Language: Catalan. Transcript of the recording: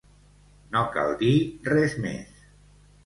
No cal dir res més.